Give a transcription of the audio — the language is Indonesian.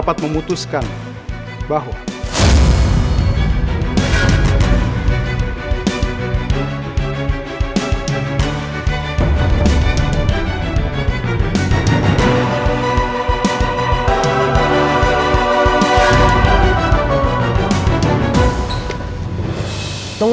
aku harus berhasil